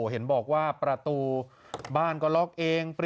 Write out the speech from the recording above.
เห็นบอกว่าประตูบ้านก็ล็อกเอง